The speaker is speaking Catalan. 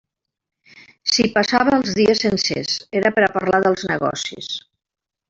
Si hi passava els dies sencers, era per a parlar dels negocis.